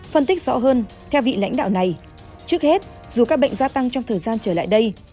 phân tích rõ hơn theo vị lãnh đạo này trước hết dù các bệnh gia tăng trong thời gian trở lại đây